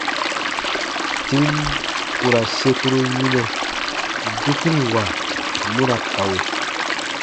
Tim ku ra sekuru yinɛ, dukiriwa mu ra kawe.